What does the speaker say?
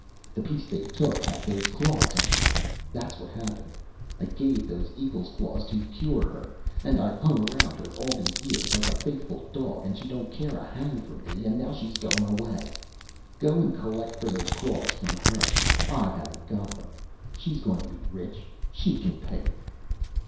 The piece they took had those claws on it. That's what happened. I gave those eagle's claws to cure her, and I've hung around her all these years like a faithful dog, and she don't care a hang for me, and now she's going away. Go and collect for those claws from her. I haven't got them. She's going to be rich; she can pay you!"